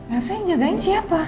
elsa yang jagain siapa